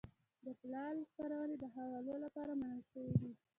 د پملا خپرونې د حوالو لپاره منل شوې دي.